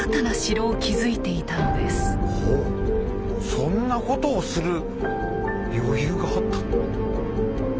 そんなことをする余裕があったの？